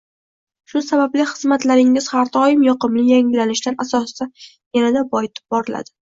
Shu sababli xizmatlaringiz har doim yoqimli yangilanishlar asosida yanada boyitib boriladi